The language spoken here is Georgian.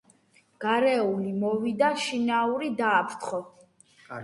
გარეული მოვიდა შინაური დააფრთხო